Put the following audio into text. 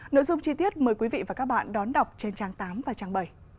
nội dung chi tiết mời quý vị và các bạn đón đọc trên trang tám và trang bảy